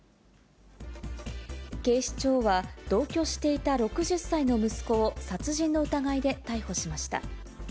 警視庁は、同居していた６０歳の息子を殺人の疑いで逮捕しました。